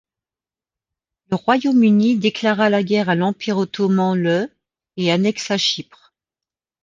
Le Royaume-Uni déclara la guerre à l'Empire ottoman le et annexa Chypre.